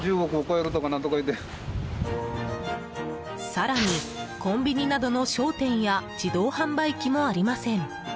更に、コンビニなどの商店や自動販売機もありません。